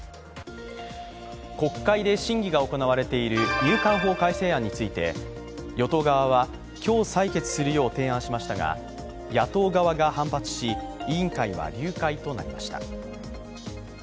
国会で審議が行われている入管法改正案について、与党側は今日採決するよう提案しましたが野党側が反発し委員会が流会となりました。